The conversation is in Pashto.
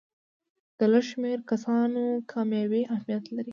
د لږ شمېر کسانو کامیابي اهمیت لري.